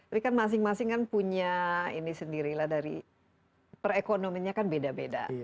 tapi kan masing masing kan punya ini sendiri lah dari perekonomiannya kan beda beda